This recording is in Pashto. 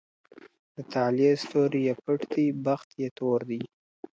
د طالع ستوری یې پټ دی بخت یې تور دی.